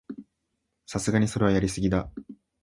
さすがにそれはやりすぎだ